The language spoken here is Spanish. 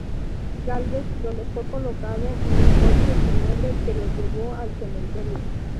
Gálvez, donde fue colocado en un coche fúnebre que lo llevó al cementerio.